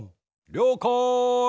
りょうかい。